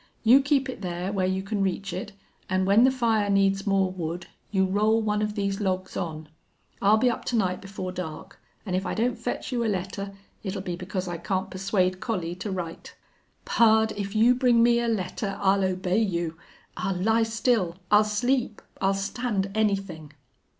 You keep it there, where you can reach it, an' when the fire needs more wood you roll one of these logs on. I'll be up to night before dark, an' if I don't fetch you a letter it'll be because I can't persuade Collie to write." "Pard, if you bring me a letter I'll obey you I'll lie still I'll sleep I'll stand anything."